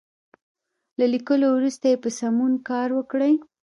له ليکلو وروسته یې په سمون کار وکړئ.